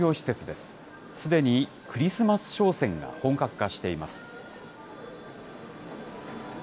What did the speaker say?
すでにクリスマス商戦が本格化しています。